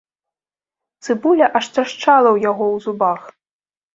Цыбуля аж трашчала ў яго ў зубах.